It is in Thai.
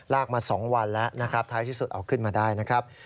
มา๒วันแล้วนะครับท้ายที่สุดเอาขึ้นมาได้นะครับ